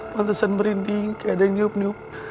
pantesan merinding keadaan nyup nyup